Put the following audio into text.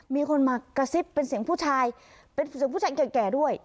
มีคนมากระซิบเป็นเสียงผู้ชายเป็นเสียงผู้ชายแก่ด้วย